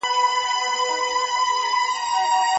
د مور صبر د کور فضا ښه کوي.